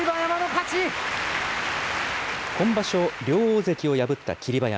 今場所、両大関を破った霧馬山。